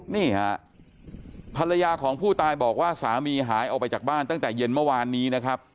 นี่ฮะภรรยาของผู้ตายบอกว่าสามีหายออกไปจากบ้านตั้งแต่เย็นเมื่อวานนี้นะครับ